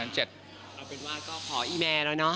เอาเป็นว่าก็ขอย้มแม่แล้วนะ